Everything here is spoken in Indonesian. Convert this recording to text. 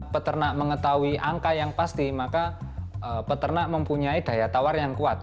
peternak mengetahui angka yang pasti maka peternak mempunyai daya tawar yang kuat